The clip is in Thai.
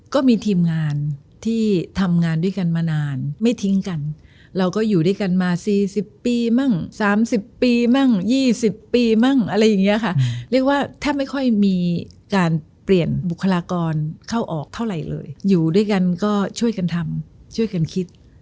ก็มีทีมงานที่ทำงานด้วยกันมานานไม่ทิ้งกันเราก็อยู่ด้วยกันมา๔๐ปีมั่ง๓๐ปีมั่ง๒๐ปีมั่งอะไรอย่างนี้ค่ะเรียกว่าแทบไม่ค่อยมีการเปลี่ยนบุคลากรเข้าออกเท่าไหร่เลยอยู่ด้วยกันก็ช่วยกันทำช่วยกันคิด